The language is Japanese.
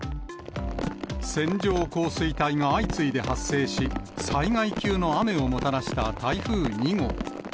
線状降水帯が相次いで発生し、災害級の雨をもたらした台風２号。